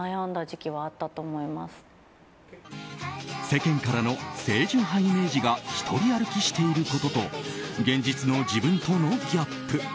世間からの清純派イメージが独り歩きしていることと現実の自分とのギャップ。